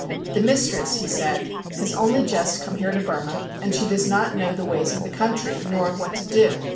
'The mistress,' he said, 'has only just come here to Burma, and she does not know the ways of the country, nor what to do.